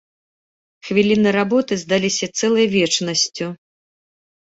Хвіліны работы здаліся цэлай вечнасцю.